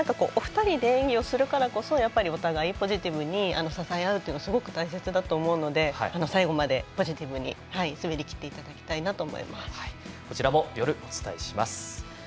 お二人で演技するからこそお互い、ポジティブに支え合うというのがすごく大切だと思うので最後までポジティブに滑りきっていただきたいとこちらも夜、お伝えします。